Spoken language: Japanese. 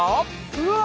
うわ！